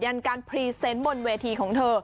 ันการพรีเซนต์บนเวทีของเธอ